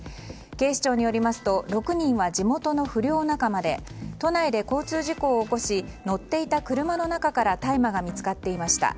警視庁によりますと６人は地元の不良仲間で都内で交通事故を起こし乗っていた車の中から大麻が見つかっていました。